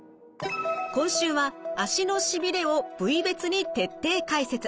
今週は足のしびれを部位別に徹底解説。